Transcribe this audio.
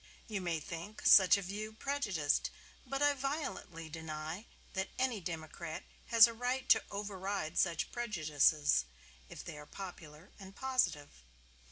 You may think such a view prejudiced; but I violently deny that any democrat has a right to override such prejudices, if they are popular and positive.